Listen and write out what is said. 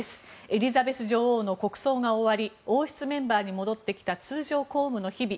エリザベス女王の国葬が終わり王室メンバーに戻ってきた通常公務の日々。